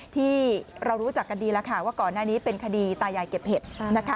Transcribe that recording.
ที่เรารู้จักกันดีแล้วค่ะว่าก่อนหน้านี้เป็นคดีตายายเก็บเห็ดนะคะ